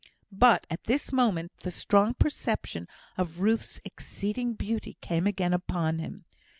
But at this moment the strong perception of Ruth's exceeding beauty came again upon him.